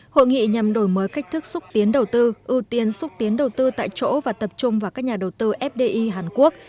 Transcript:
hội nghị nhằm đổi mới cách thức xúc tiến đầu tư ưu tiên xúc tiến đầu tư tại chỗ và tập trung vào các nhà đầu tư fdi hàn quốc